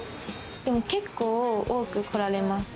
結構多く来られます。